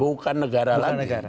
bukan negara lagi